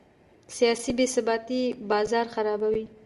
سیاسي بې ثباتي بازار خرابوي.